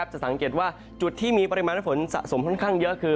จะสังเกตว่าจุดที่มีปริมาณฝนสะสมค่อนข้างเยอะคือ